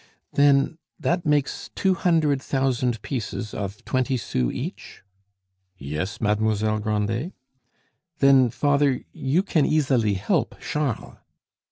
"Then that makes two hundred thousand pieces of twenty sous each?" "Yes, Mademoiselle Grandet." "Then, father, you can easily help Charles."